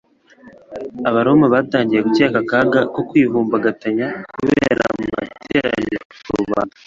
Abaroma batangiye gukeka akaga ko kwivumbagatanya kubera amateraniro ya rubanda;